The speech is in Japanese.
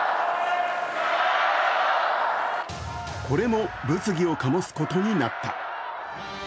これも物議を醸すことになった。